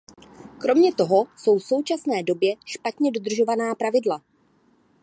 Kromě toho jsou v současné době špatně dodržována pravidla.